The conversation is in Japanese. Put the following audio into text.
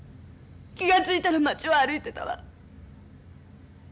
気が付いたら街を歩いてたわ。